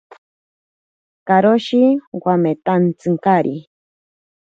Karoshi wametantsinkari.